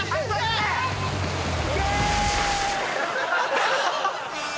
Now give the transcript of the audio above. いけ！